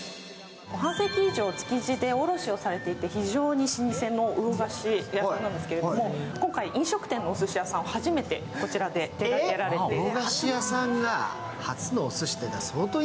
半世紀以上、築地で卸をされていて、非常に老舗の魚河岸屋さんなんですけど、今回飲食店のおすし屋さんを初めてここで、手がけられていると。